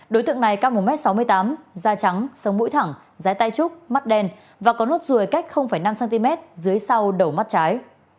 đối tượng này cao một m sáu mươi tám da trắng sống mũi thẳng rai tay trúc mắt đen và có nốt ruồi cách năm cm dưới sau đầu mắt trái